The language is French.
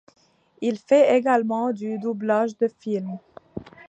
Il fait également du doublage de films.